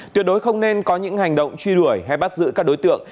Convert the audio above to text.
tuyệt đối không nên có những hành động truy đuổi hay bắt giữ các đối tượng